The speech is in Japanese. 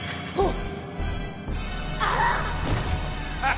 あっ！